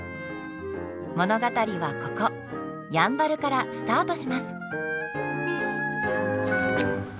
物語はここやんばるからスタートします！